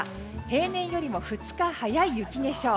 平年よりも２日早い雪化粧。